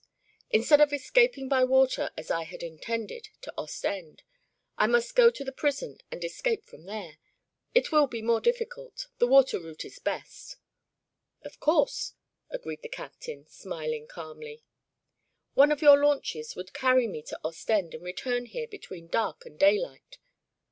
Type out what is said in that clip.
"Instead of escaping by water, as I had intended, to Ostend, I must go to the prison and escape from there. It will be more difficult. The water route is best." "Of course," agreed the captain, smiling calmly. "One of your launches would carry me to Ostend and return here between dark and daylight."